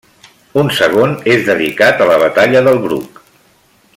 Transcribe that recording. Un segon és dedicat a la batalla del Bruc.